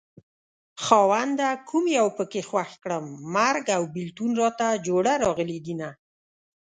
خاونده کوم يو پکې خوښ کړم مرګ او بېلتون راته جوړه راغلي دينه